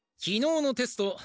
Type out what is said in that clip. きのうのテスト